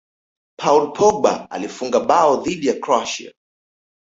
paul pogba alifunga bao dhidi ya Croatia